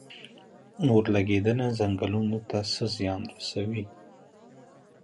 اورلګیدنه ځنګلونو ته څه زیان رسوي؟